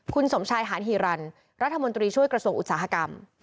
คุณสมชายหานฮีรันรัฐมนตรีช่วยกระทรวงอุตสาหกรรม